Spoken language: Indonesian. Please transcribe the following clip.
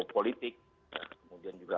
politik kemudian juga